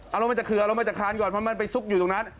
เอาลงมาจากเขื่อลงมาจากคานก่อนเพราะมันไปซุกอยู่ตรงนั้น